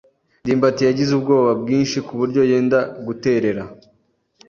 ndimbati yagize ubwoba bwinshi kuburyo yenda guterera.